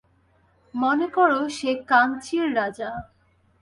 মনে করো, সে কাঞ্চীর রাজা।